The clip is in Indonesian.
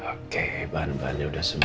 oke bahan bahannya udah semua